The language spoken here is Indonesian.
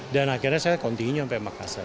dan akhirnya saya continue sampai makassar